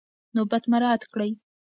نوبت مراعات کړئ.